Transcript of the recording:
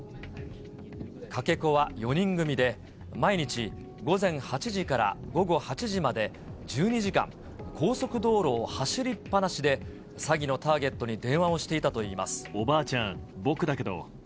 かけ子は４人組で、毎日午前８時から午後８時まで１２時間、高速道路を走りっぱなしで、詐欺のターゲットに電話をしていおばあちゃん、僕だけど。